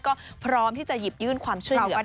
ก็พร้อมที่จะหยิบยื่นความช่วยเหลือ